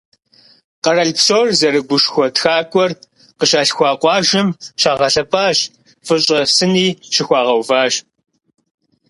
Къэрал псор зэрыгушхуэ тхакӏуэр къыщалъхуа къуажэм щагъэлъэпӏащ, фӏыщӏэ сыни щыхуагъэуващ.